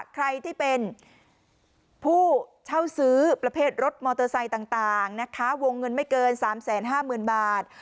ใครที่เป็นผู้เช่าซื้อประเภทรถมอเตอร์ไซค์ต่างนะคะวงเงินไม่เกิน๓๕๐๐๐บาท